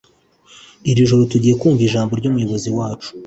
Iri joro tugiye kumva ijambo ryumuyobozi wacu